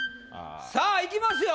さぁいきますよ